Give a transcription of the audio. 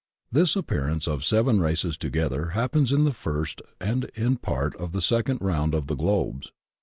This appearance of seven races together happens in the first and in part of the second round of the globes.